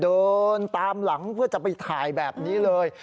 เดินตามหลังเพื่อจะไปถ่ายแบบนี้เลย